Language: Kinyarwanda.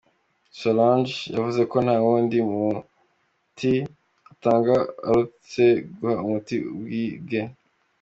Salonge yavuze ko ntawundi muti atanga arutse guha umuti uwibwe.